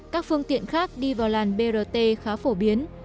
các phương tiện khác đi vào làn brt khá phổ biến